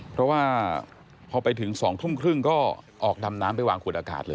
เพราะว่าพอไปถึง๒ทุ่มครึ่งก็ออกดำน้ำไปวางขวดอากาศเลย